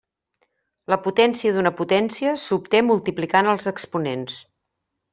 La potència d'una potència s'obté multiplicant els exponents.